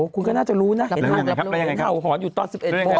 คุณก็น่าจะรู้นะเห็นเห่าหอนอยู่ตอน๑๑โมง